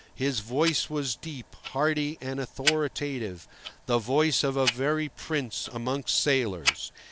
His voice was deep, hearty, and authoritative—the voice of a very prince amongst sailors.